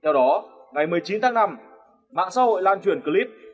theo đó ngày một mươi chín tháng năm mạng xã hội lan truyền clip